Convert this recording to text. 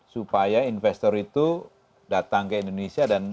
supaya investor itu datang ke indonesia